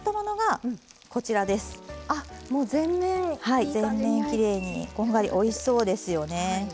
はい全面きれいにこんがりおいしそうですよね。